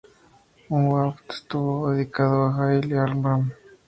Un waqf estuvo dedicado a Halil ar-Rahman.